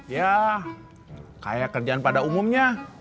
ya kayak kerjaan pada umumnya